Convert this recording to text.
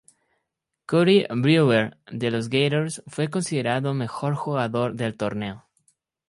Corey Brewer, de los Gators, fue considerado Mejor Jugador del Torneo.